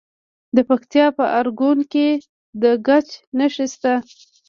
د پکتیکا په ارګون کې د ګچ نښې شته.